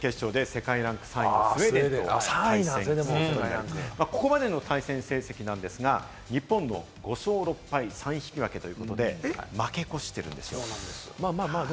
世界ランク３位のスウェーデン、ここまでの対戦成績なんですが、日本の５勝６敗３引き分けということで、負け越しているんですよ。